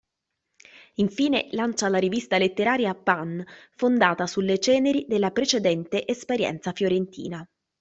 Infine, lancia la rivista letteraria "Pan", fondata sulle ceneri della precedente esperienza fiorentina.